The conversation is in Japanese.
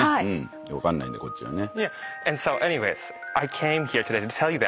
分かんないんでこっちはね。